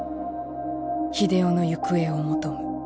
秀雄の行方を求む。